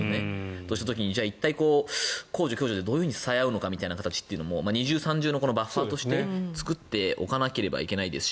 そうした時に一体、公助、共助でどうやって支え合うのかも二重、三重のバッファーとして作っておかなければいけないですい。